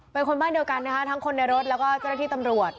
เป็นคนบ้านเดียวกันนะคะทั้งคนในรถแล้วก็เจ้าหน้าที่ตำรวจ